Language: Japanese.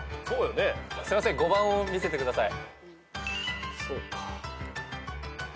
すいません５番を見せてください。